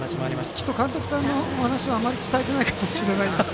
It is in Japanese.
きっと監督さんのお話あまり伝えてないかもしれないですね。